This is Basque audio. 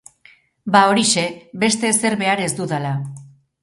Ba horixe, beste ezer behar ez dudala.